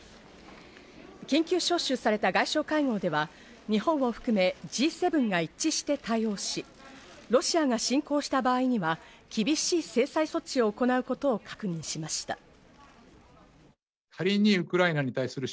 緊急招集された外相会合では、日本を含めＧ７が一致して対応し、ロシアが侵攻した場合には厳しい制裁措置を行うことを確認しました。